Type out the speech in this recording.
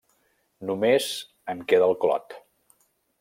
Només en queda el clot.